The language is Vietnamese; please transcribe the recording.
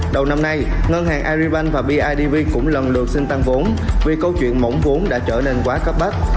đầu năm nay ngân hàng agribank và bidv cũng lần lượt xin tăng vốn vì câu chuyện mỏng vốn đã trở nên quá cấp bách